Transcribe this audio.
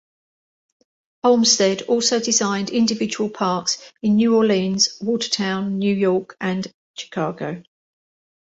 Olmsted also designed individual parks in New Orleans; Watertown, New York; and Chicago.